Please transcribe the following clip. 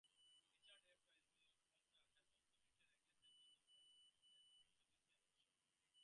Richard A. Posner has also written against the use of notes in judicial opinions.